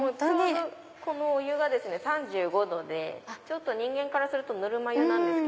このお湯が３５℃で人間からするとぬるま湯です。